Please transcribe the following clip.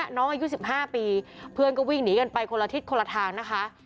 น้องอายุ๑๕ปีเพื่อนก็วิ่งหนีกันไปคนละทิศคนละทางนะคะ